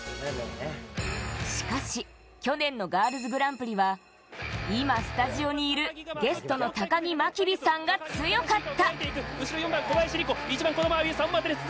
しかし、去年のガールズグランプリは今スタジオにいる、ゲストの高木真備さんが強かった。